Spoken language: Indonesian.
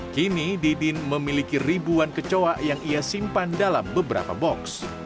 kini didin memiliki ribuan kecoa yang ia simpan dalam beberapa box